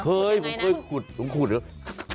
เฮ้ยผมเคยขุดผมขุดแล้ว